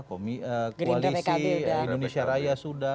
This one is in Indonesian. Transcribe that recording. koalisi indonesia raya sudah